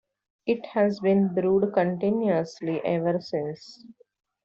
It has been brewed continuously ever since.